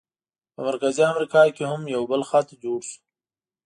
په مرکزي امریکا کې هم یو بل خط جوړ شو.